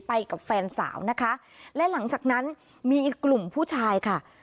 ไปกับแฟนสาวนะคะและหลังจากนั้นมีอีกกลุ่มผู้ชายค่ะ